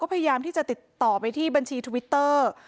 พยายามที่จะติดต่อไปที่บัญชีทวิตเตอร์